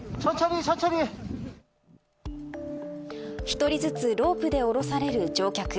１人ずつロープで降ろされる乗客。